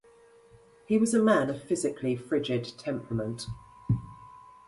He was a man of physically frigid temperament.